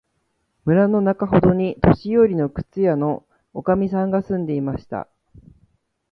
村のなかほどに、年よりの靴屋のおかみさんが住んでいました。